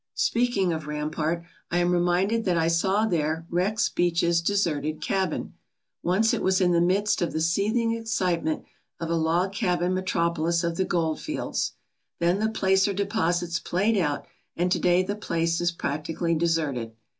Speaking of Rampart, I am reminded that I saw there Rex Beach's deserted cabin. Once it was in the midst of the seething excitement of a log cabin metropolis of the gold fields. Then the placer deposits played out and to day the place is practically deserted.